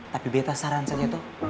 tapi betta saran saja tuh